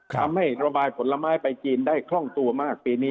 ทำให้ระบายผลไม้ไปจีนได้คล่องตัวมากปีนี้